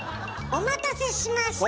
お待たせしました！